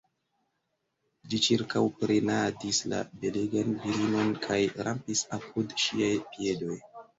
Ĝi ĉirkaŭprenadis la belegan virinon kaj rampis apud ŝiaj piedoj.